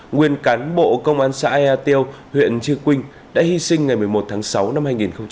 nguyên cán bộ công an xã ea tiêu huyện chư quynh đã hy sinh ngày một mươi một tháng sáu năm hai nghìn hai mươi ba